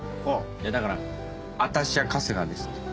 だから私は春日ですって。